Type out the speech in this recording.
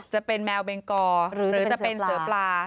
จะเป็นแมวเบงกอหรือจะเป็นเสือปลา